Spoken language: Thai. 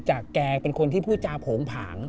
แกเป็นคนที่พูดจาโผงผาง